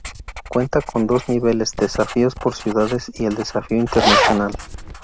Cuenta con dos niveles: desafíos por ciudades y el desafío internacional.